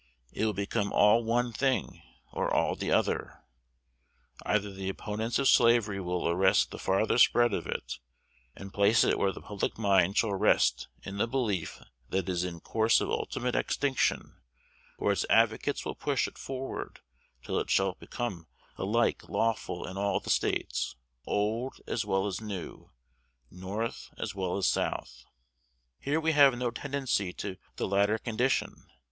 It will become all one thing, or all the other. Either the opponents of slavery will arrest the farther spread of it, and place it where the public mind shall rest in the belief that it is in course of ultimate extinction, or its advocates will push it forward till it shall become alike lawful in all the States, old as well as new, North as well as South. Have we no tendency to the latter condition?